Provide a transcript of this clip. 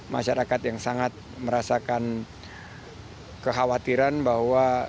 masyarakat yang sangat merasakan kekhawatiran bahwa